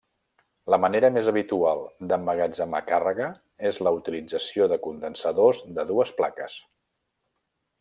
La manera més habitual d'emmagatzemar càrrega és la utilització de condensadors de dues plaques.